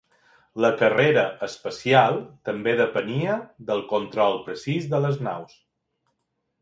La carrera espacial també depenia del control precís de les naus.